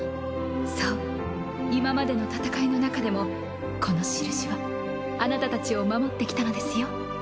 そう今までの戦いのなかでもこのしるしはあなたたちを守ってきたのですよ。